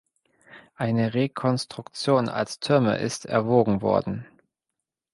Eine Rekonstruktion als Türme ist erwogen worden.